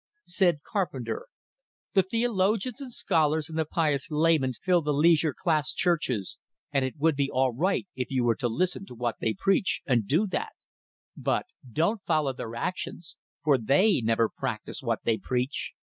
Said Carpenter: "The theologians and scholars and the pious laymen fill the leisure class churches, and it would be all right if you were to listen to what they preach, and do that; but don't follow their actions, for they never practice what they preach.